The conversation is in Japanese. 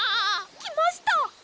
きました！